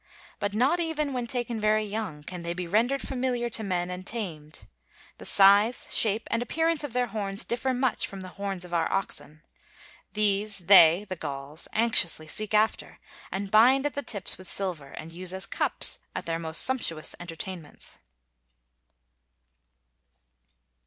But not even when taken very young can they be rendered familiar to men and tamed. The size, shape, and appearance of their horns differ much from the horns of our oxen. These they [the Gauls] anxiously seek after, and bind at the tips with silver, and use as cups at their most sumptuous entertainments.